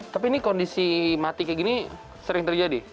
tapi ini kondisi mati kayak gini sering terjadi